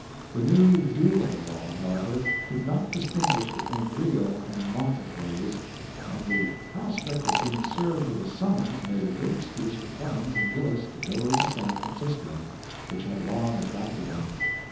The new dueling law, however, did not distinguish between real and mock affrays, and the prospect of being served with a summons made a good excuse for Clemens and Gillis to go to San Francisco, which had long attracted them.